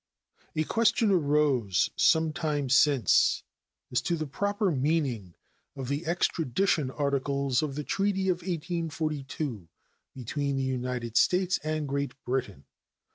A question arose some time since as to the proper meaning of the extradition articles of the treaty of 1842 between the United States and Great Britain.